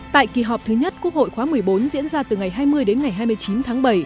tại kỳ họp thứ nhất quốc hội khóa một mươi bốn diễn ra từ ngày hai mươi đến ngày hai mươi chín tháng bảy